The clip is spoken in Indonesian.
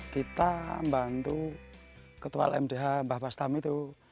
kita bantu ketua lmdh mbah bastam itu